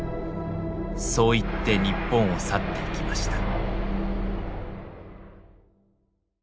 そう言って日本を去っていきました。